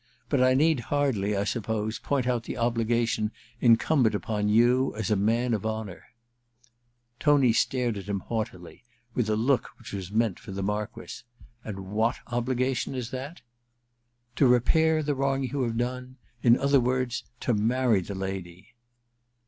But I need hardly, I suppose, point out the obligation incumbent upon you as a man of honour/ Tony stared at him haughtily, with a look which was meant for the Marquess. *And what obligation is that ?' *To repair the wrong you have done — in other words, to marry the lady.